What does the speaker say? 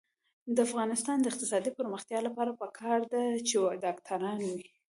د افغانستان د اقتصادي پرمختګ لپاره پکار ده چې ډاکټران وي.